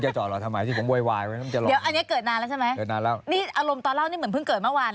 นี่อารมณ์ตอนร้าวนี่เหมือนเพิ่งเกิดเมื่อวานเลยนะ